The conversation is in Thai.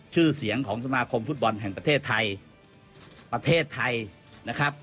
ชื่อเสียงของสมาคมฟุตบอลแห่งประเทศไทยประเทศไทยนะครับ